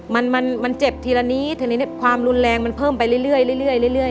มันมันมันเจ็บทีละนี้ทีละนี้ความรุนแรงมันเพิ่มไปเรื่อยเรื่อยเรื่อยเรื่อย